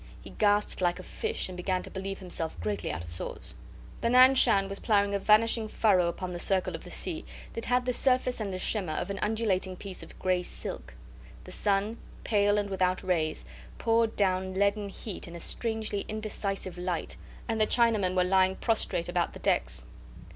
He gasped like a fish, and began to believe himself greatly out of sorts. The Nan Shan was ploughing a vanishing furrow upon the circle of the sea that had the surface and the shimmer of an undulating piece of gray silk. The sun, pale and without rays, poured down leaden heat in a strangely indecisive light, and the Chinamen were lying prostrate about the decks.